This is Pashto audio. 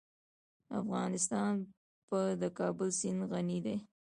افغانستان په د کابل سیند غني دی.